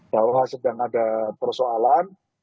bahwa sedang ada persoalan